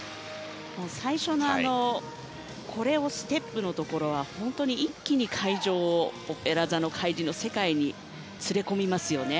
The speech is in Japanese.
最初のコレオステップのところは本当に、一気に会場を「オペラ座の怪人」の世界に連れ込みますよね。